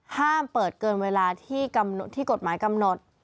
ห้ามเปิดเกินเวลาที่กฎหมายกำหนด